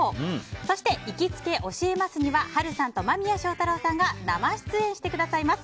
そして、行きつけ教えます！には波瑠さんと間宮祥太朗さんが生出演してくださいます。